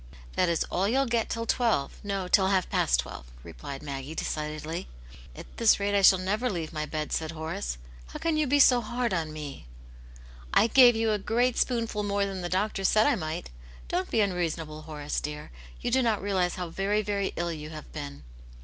"That is all you'll get till twelve, no, till half past twelve," replied Maggie, decidedly. "At this rate I shall never leave my bed," said Horace. " How can you be so hard upon me ?"" I gave you a great spoonful more than the doctor said I might. Don't be unreasonable, Horace dear. You do not realize how very, very ill you have been.